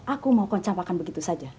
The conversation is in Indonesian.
aku mau kau capakan begitu saja